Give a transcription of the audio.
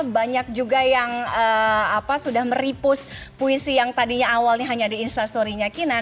banyak juga yang sudah meripus puisi yang tadinya awalnya hanya di instastory nya kinan